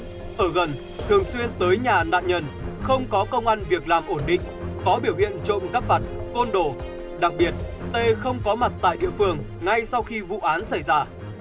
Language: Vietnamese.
ở t hội tụ đủ nhiều điểm nghi vấn ở gần thường xuyên tới nhà nạn nhân không có công ăn việc làm ổn định có biểu hiện trộm cắp vặt côn đổ đặc biệt t không có mặt tại địa phương ngay sau khi vụ án xảy ra